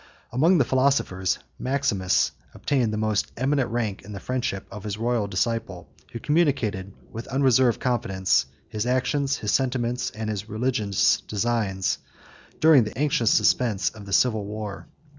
44 Among the philosophers, Maximus obtained the most eminent rank in the friendship of his royal disciple, who communicated, with unreserved confidence, his actions, his sentiments, and his religious designs, during the anxious suspense of the civil war.